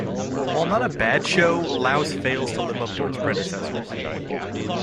While not a bad show, 'Louse' fails to live up to its predecessors.